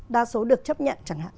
đa số được chấp nhận chẳng hạn